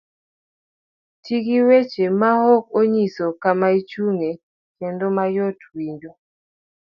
Ti gi weche maok onyiso kama ichung'ye kendo mayot winjo.